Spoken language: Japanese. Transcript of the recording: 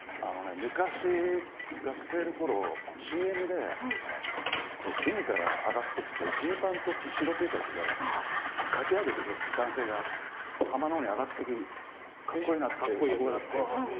昔、学生のころＣＭで海から上がってきてジーパンと白Ｔシャツでかき上げて男性が浜のほうに上がっていくのが格好いいなと思って。